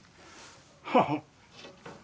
ハハッ。